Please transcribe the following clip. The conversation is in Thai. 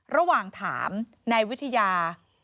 ระหว่างถามนายวิทยา